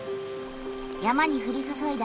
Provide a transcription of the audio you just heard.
山にふりそそいだ